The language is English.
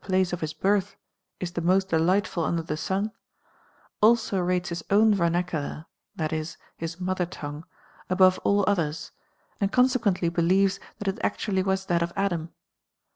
Dante's of his birth is the most delightful under the sun, love for ^ilso rates his o^vn vernacular (that is, Iiis niothcr o^cnce tongue) above all others, and consequently believes that it actually was that of Adam.